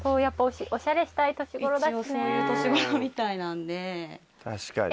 一応そういう年頃みたいなんで。